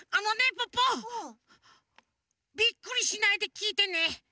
ポッポビックリしないできいてね。